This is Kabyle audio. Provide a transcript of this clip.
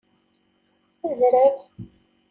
Zreb!